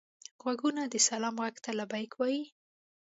غوږونه د سلام غږ ته لبیک وايي